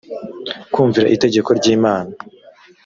kumvira itegeko ry imana